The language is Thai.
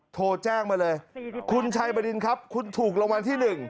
โทรแจ้งมาเลยคุณชัยบรินครับคุณถูกรางวัลที่๑